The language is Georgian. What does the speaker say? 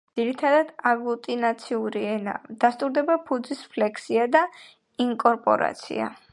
ძირითადად აგლუტინაციური ენაა, დასტურდება ფუძის ფლექსია და ინკორპორაცია.